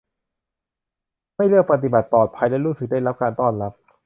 ไม่เลือกปฏิบัติ ปลอดภัยและรู้สึกได้รับการต้อนรับ